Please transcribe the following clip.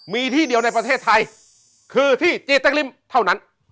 มีที่เดียวในประเทศไทยคือที่จีเต็กริมเท่านั้น